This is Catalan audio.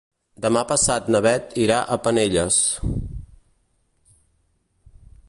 Demà passat na Beth irà a Penelles.